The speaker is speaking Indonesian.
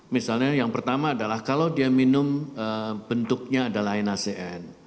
misalnya yang pertama adalah kalau dia minum bentuknya adalah nacn